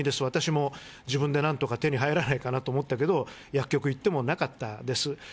私も自分でなんとか手に入らないかなと思ったけど、薬局行ってもなかったです。